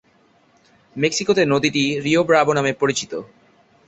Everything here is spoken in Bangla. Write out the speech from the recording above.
মেক্সিকোতে নদীটি রিও ব্রাভো নামে পরিচিত।